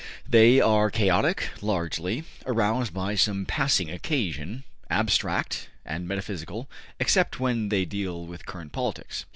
They are chaotic, largely, aroused by some passing occasion, abstract and metaphysical, except when they deal with current politics.